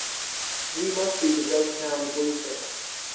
We must be the Ghost Town Blues Band.